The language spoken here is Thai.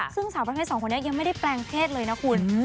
ซึ่งสาวประเภท๒คนนี้ยังไม่ได้แปลงเพศเลยนะคุณ